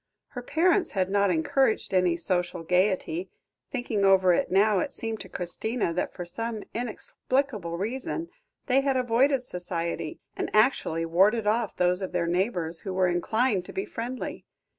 Her parents had not encouraged any social gaiety; thinking over it now, it seemed to Christina that for some inexplicable reason they had avoided society, and actually warded off those of their neighbours who were inclined to be friendly.